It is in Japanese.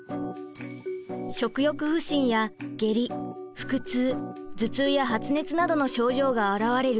食欲不振や下痢腹痛頭痛や発熱などの症状が表れる